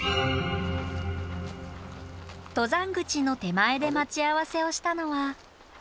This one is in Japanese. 登山口の手前で待ち合わせをしたのは。